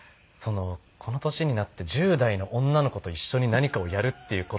この年になって１０代の女の子と一緒に何かをやるっていう事に対する。